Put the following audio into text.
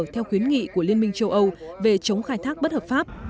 theo khuyến nghị của liên minh châu âu về chống khai thác bất hợp pháp